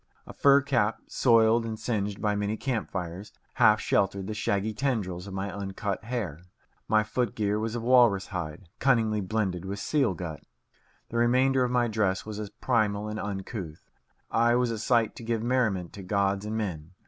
A fur cap, soiled and singed by many camp fires, half sheltered the shaggy tendrils of my uncut hair. My foot gear was of walrus hide, cunningly blended with seal gut. The remainder of my dress was as primal and uncouth. I was a sight to give merriment to gods and men.